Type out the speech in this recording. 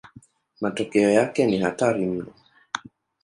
Matokeo yake ni hatari mno.